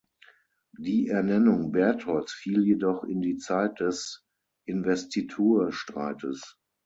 Die Ernennung Bertholds fiel jedoch in die Zeit des Investiturstreites.